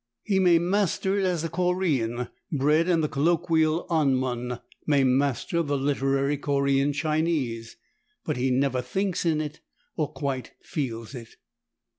He may master it as a Korean, bred in the colloquial Onmun, may master the literary Korean Chinese, but he never thinks in it or quite feels it.